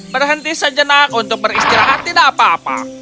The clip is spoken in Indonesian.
berhenti sejenak untuk beristirahat tidak apa apa